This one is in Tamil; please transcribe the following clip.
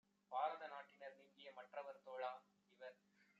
பாரத நாட்டினர் நீங்கிய மற்றவர் தோழா - இவர்